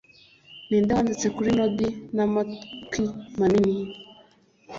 Ninde Wanditse kuri Noddy n’ Amatwi manini